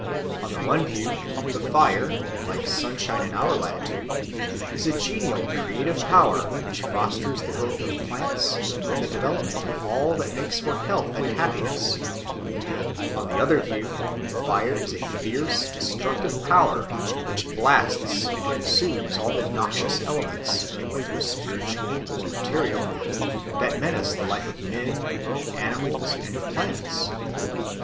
On the one view, the fire, like sunshine in our latitude, is a genial creative power which fosters the growth of plants and the development of all that makes for health and happiness; on the other view, the fire is a fierce destructive power which blasts and consumes all the noxious elements, whether spiritual or material, that menace the life of men, of animals, and of plants.